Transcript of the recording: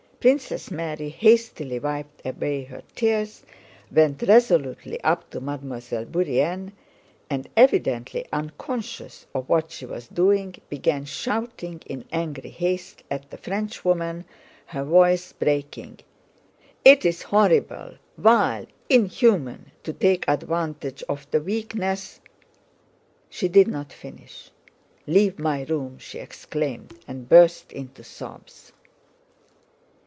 Princess Mary hastily wiped away her tears, went resolutely up to Mademoiselle Bourienne, and evidently unconscious of what she was doing began shouting in angry haste at the Frenchwoman, her voice breaking: "It's horrible, vile, inhuman, to take advantage of the weakness..." She did not finish. "Leave my room," she exclaimed, and burst into sobs.